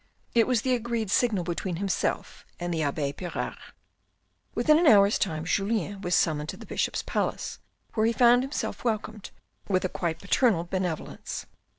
It was the agreed signal between himself and the abbe Pirard. Within an hour's time, Julien was summoned to the Bishop's Palace, where he found himself welcomed with a quite paternal benevolence.